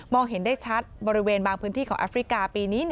เห็นได้ชัดบริเวณบางพื้นที่ของแอฟริกาปีนี้